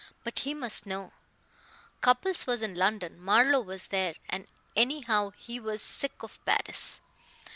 But he must know!... Cupples was in London, Marlowe was there.... And anyhow he was sick of Paris.